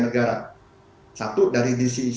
negara satu dari